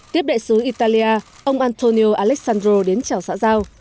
tiếp đại sứ italia ông antonio alessandro đến chào xã giao